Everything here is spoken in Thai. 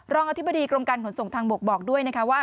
อธิบดีกรมการขนส่งทางบกบอกด้วยนะคะว่า